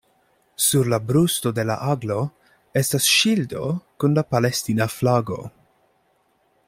Sur la brusto de la aglo estas ŝildo kun la palestina flago.